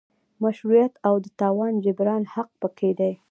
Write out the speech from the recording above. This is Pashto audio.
مشروعیت او د تاوان د جبران حق پکې دی.